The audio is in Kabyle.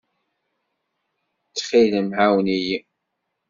Ttxil-m, ɛawen-iyi.